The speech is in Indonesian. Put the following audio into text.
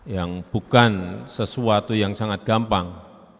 yang bukan sesuatu yang sangat gampang